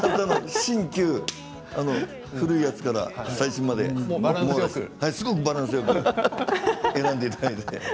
新旧、古いやつから最新まですごくバランスよく選んでいただいて。